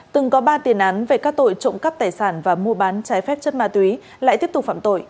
từng có ba tiền án về các tội trộm cắp tài sản và mua bán trái phép chất ma túy lại tiếp tục phạm tội